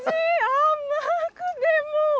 甘くてもう。